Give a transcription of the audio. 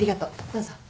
どうぞ。